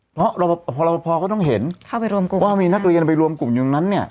เพราะเราพอเราพอก็ต้องเห็นเข้าไปรวมกลุ่มว่ามีนักเรียนไปรวมกลุ่มอยู่ตรงนั้นเนี่ย